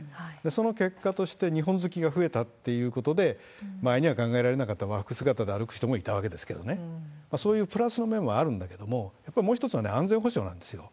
その結果として日本好きが増えたっていうことで、前には考えられなかった、和服姿で歩く人もいるわけですけれどもね、そういうプラスの面もあるんですけれども、やっぱりもう一つはね、安全保障なんですよ。